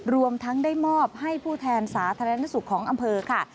รวมทั้งได้มอบให้ผู้แทนสาธารณสุขของอำเภอค่ะ